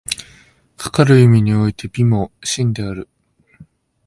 かかる意味において美も真である。